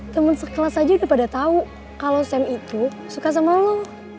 temen sekelas aja udah pada tahu kalau sam itu suka sama lo